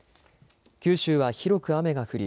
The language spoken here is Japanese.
九州は広く雨が降り